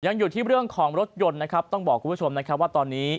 อยู่ที่เรื่องของรถยนต์นะครับต้องบอกคุณผู้ชมนะครับว่าตอนนี้